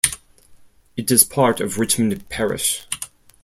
It is part of Richmond Parish.